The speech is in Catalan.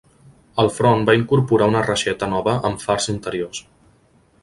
El front va incorporar una reixeta nova amb fars interiors.